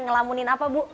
ngelamunin apa bu